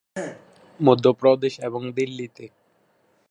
মধ্যপ্রদেশ এবং দিল্লিতে।